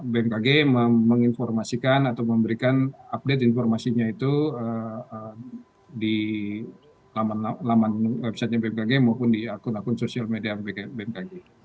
bmkg menginformasikan atau memberikan update informasinya itu di laman websitenya bmkg maupun di akun akun sosial media bmkg